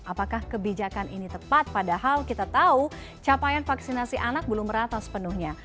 apakah kebijakan ini tepat padahal kita tahu capaian vaksinasi anak belum rata sepenuhnya